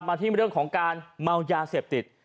กลับมาที่บทเรื่องของการเมายาเสพติด